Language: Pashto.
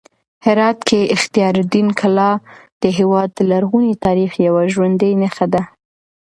هرات کې اختیار الدین کلا د هېواد د لرغوني تاریخ یوه ژوندۍ نښه ده.